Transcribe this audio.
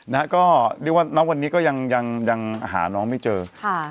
นะฮะก็เรียกว่าณวันนี้ก็ยังยังหาน้องไม่เจอค่ะ